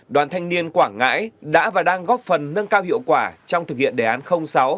đoàn thanh niên quảng ngãi đã và đang góp phần nâng cao hiệu quả trong thực hiện đề án sáu